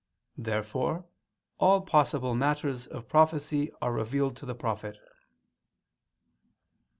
Therefore all possible matters of prophecy are revealed to the prophet.